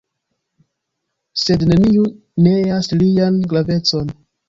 Sed neniu neas lian gravecon.